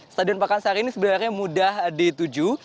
stadion pakansari ini sebenarnya mudah dituju